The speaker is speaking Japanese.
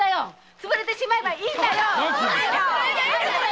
つぶれてしまえばいいんだよ！